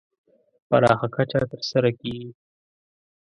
پراخه کچه تر سره کېږي.